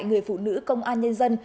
người phụ nữ công an nhân dân